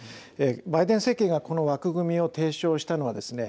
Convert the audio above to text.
バイデン政権がこの枠組みを提唱したのはですね